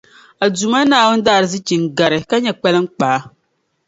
A Duuma Naawuni daa arizichi n gari, ka nyɛ kpaliŋkpaa.